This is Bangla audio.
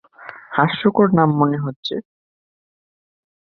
হাস্যকর নাম মনে হচ্ছে?